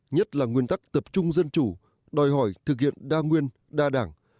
nhất là nguyên tắc tập trung dân chủ đòi hỏi thực hiện đa nguyên đa đảng